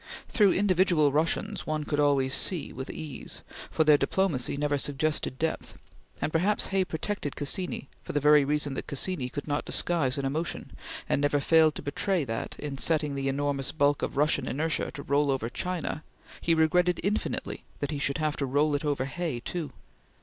Through individual Russians one could always see with ease, for their diplomacy never suggested depth; and perhaps Hay protected Cassini for the very reason that Cassini could not disguise an emotion, and never failed to betray that, in setting the enormous bulk of Russian inertia to roll over China, he regretted infinitely that he should have to roll it over Hay too.